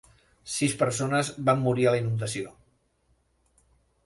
Sis persones van morir a la inundació.